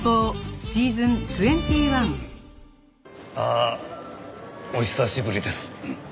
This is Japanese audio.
あお久しぶりです。